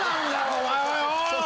お前はよ。